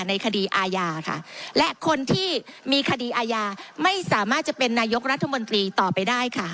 ในคดีอาญาค่ะและคนที่มีคดีอาญาไม่สามารถจะเป็นนายกรัฐมนตรีต่อไปได้ค่ะ